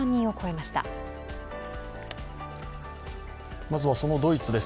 まずは、そのドイツです。